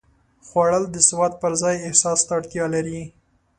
خوړل د سواد پر ځای احساس ته اړتیا لري